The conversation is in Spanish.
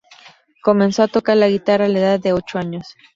Comenzó a tocar la guitarra a la edad de ochos años.